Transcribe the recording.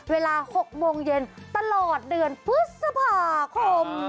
เวลา๐๖๐๐นตลอดเดือนปศพคมค่ะ